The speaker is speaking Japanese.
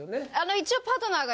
一応。